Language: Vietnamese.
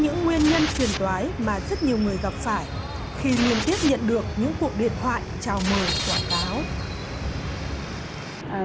họ cũng nhận được những cuộc điện thoại chào mời quảng cáo